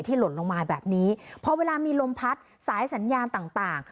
ที่หล่นลงมาแบบนี้เพราะเวลามีลมพัดสายสัญญาณต่าง